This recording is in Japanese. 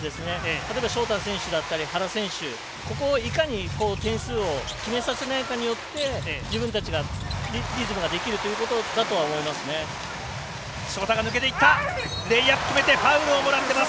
例えばショーター選手だったり原選手、ここをいかに点数を決めさせないかによって自分たちのリズムができるということだとは思います。